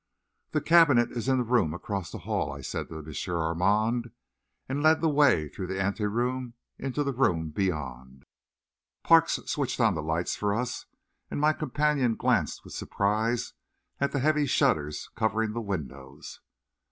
"The cabinet is in the room across the hall," I said to M. Armand, and led the way through the ante room into the room beyond. Parks switched on the lights for us, and my companion glanced with surprise at the heavy shutters covering the windows.